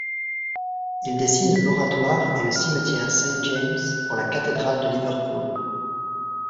Il dessine l'Oratoire et le Cimetière St James pour la Cathédrale de Liverpool.